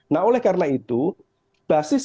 nah oleh karena itu basis